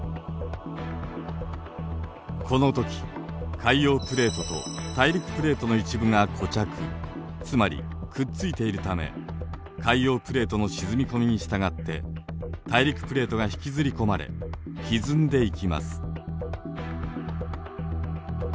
この時海洋プレートと大陸プレートの一部が固着つまりくっついているため海洋プレートの沈み込みにしたがって大陸プレートが引きずり込まれひずんでいきます。